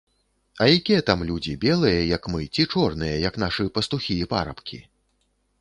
А якія там людзі, белыя, як мы, ці чорныя, як нашы пастухі і парабкі?